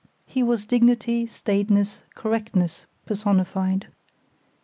He was dignity, staidness, correctness personified.